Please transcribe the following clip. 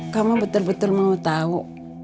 kamu betul betul mau tahu